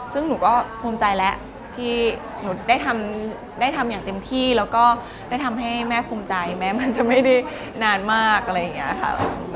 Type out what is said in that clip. ซึ่งหนูก็ภูมิใจแล้วที่หนูได้ทำอย่างเต็มที่แล้วก็ได้ทำให้แม่ภูมิใจแม้มันจะไม่ได้นานมากอะไรอย่างนี้ค่ะ